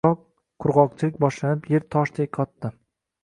Biroq... Qurg’oqchilik boshlanib, yer toshdek qotdi.